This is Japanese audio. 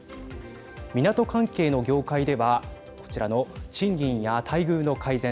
港関係の業界ではこちらの賃金や待遇の改善